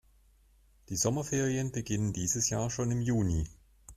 Die Sommerferien beginnen dieses Jahr schon im Juni.